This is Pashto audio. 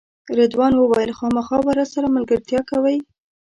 رضوان وویل خامخا به راسره ملګرتیا کوئ.